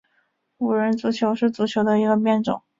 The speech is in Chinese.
五人足球是足球的一个变种。